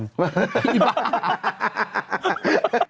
สันติบาล